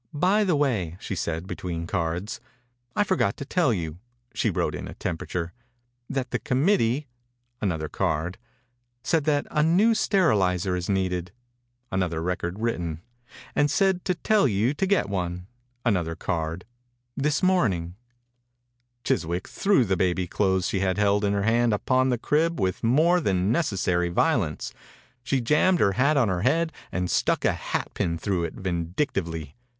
« By the way," she said, between cards. «I forgot to tell you —" she wrote in a temperature — "that the committee" — another card — "said that a new steri lizer is needed" — another rec ord written — "and said to tell 8+ THE INCUBATOR BABY you to get one" — another card — ^^"this morning/* Chiswick threw the baby clothes she held in her hand upon the crib with more than necessary violence. She jammed her hat on her head and stuck a hat pin through it vindictively.